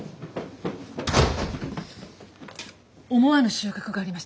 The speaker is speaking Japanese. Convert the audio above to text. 思わぬ収穫がありました。